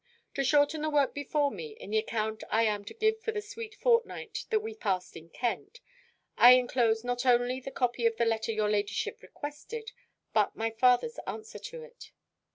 To shorten the work before me, in the account I am to give of the sweet fortnight that we passed in Kent, I enclose not only the copy of the letter your ladyship requested, but my father's answer to it.